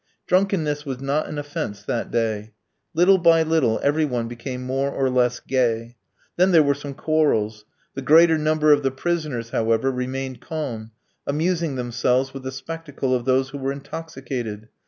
Drunkenness was not an offence that day. Little by little every one became more or less gay. Then there were some quarrels. The greater number of the prisoners, however, remained calm, amusing themselves with the spectacle of those who were intoxicated.